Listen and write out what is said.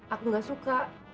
aku gak suka